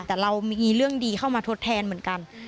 แต่เรามีเรื่องดีเข้ามาทดแทนเหมือนกัน